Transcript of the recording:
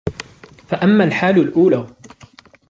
فَأَمَّا الْحَالُ الْأُولَى